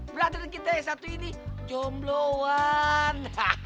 belakangan kita yang satu ini jombloan